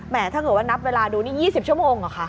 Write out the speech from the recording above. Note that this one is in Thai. ถ้าเกิดว่านับเวลาดูนี่๒๐ชั่วโมงเหรอคะ